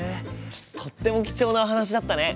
とっても貴重なお話だったね。